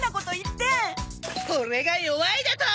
オレが弱いだと！？